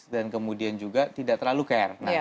dan kemudian juga tidak terlalu care